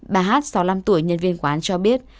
bà hát sáu mươi năm tuổi nhân viên quán cho biết